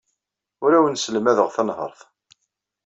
Ur awen-sselmadeɣ tanhaṛt.